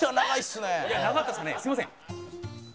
すいません。